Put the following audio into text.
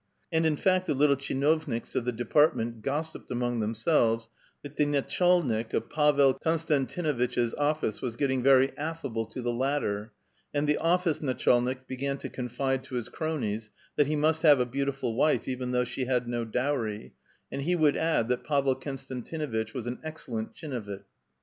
And in fact the little ichinovnika of the depai tment gossipped among themselves that the natcJialnik of Pavel Konstantinuitch's office was getting very affable to to the latter, and the office natchalnik began to confide to his cronies that he must have a beautiful wife even though she had no dowi*v, and he would add that Pavel Konstanti nuitch was an excellent tchinovnik.